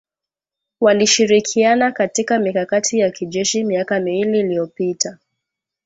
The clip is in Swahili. Walishirikiana katika mikakati ya kijeshi miaka miwili iliyopita